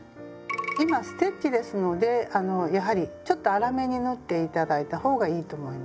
今ステッチですのでやはりちょっと粗めに縫って頂いた方がいいと思います。